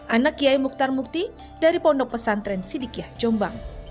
anak kiai mukhtar mukti dari pondok pesantren sidikiah jombang